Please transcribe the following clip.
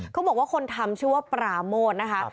เขาบอกว่าคนทำชื่อว่าปราโมทนะคะ